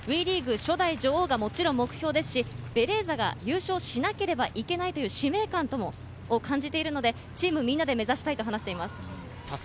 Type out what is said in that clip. ＷＥリーグ初代女王がもちろん目標ですし、ベレーザが優勝しなければいけないという使命感を感じているので、チームみんなで目指したいと話しています。